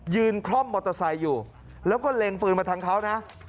คล่อมมอเตอร์ไซค์อยู่แล้วก็เล็งปืนมาทางเขานะ